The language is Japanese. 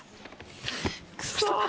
くそ。